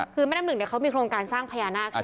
คือแม่น้ำหนึ่งเนี่ยเขามีโครงการสร้างพญานาคใช่ไหม